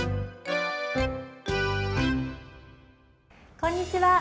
こんにちは。